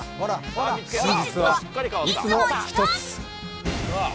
真実はいつもひとつ！